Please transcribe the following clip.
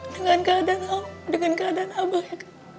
dengan keadaan abah ini